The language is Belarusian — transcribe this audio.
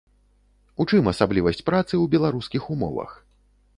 У чым асаблівасць працы ў беларускіх умовах?